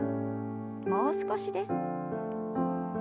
もう少しです。